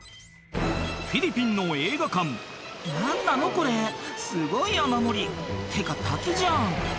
フィリピンの映画館「何なのこれすごい雨漏りってか滝じゃん」